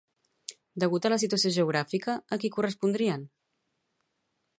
Degut a la situació geogràfica, a qui correspondrien?